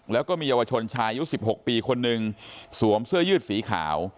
แล้วก็มีเยาวชนชายอายุ๑๖ปีคนนึงสวมเสื้อยืดสีขาว